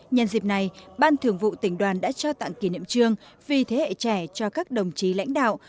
nhân dịp này ban thường vụ tỉnh đoàn đã trao tặng kỷ niệm trương vì thế hệ trẻ cho các đồng chí lãnh đạo